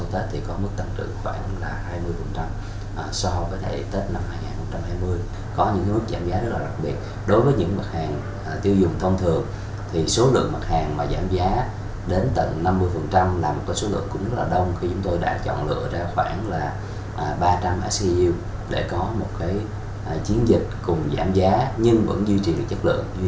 tại các trung tâm thương mại hệ thống siêu thị cửa hàng tiện lợi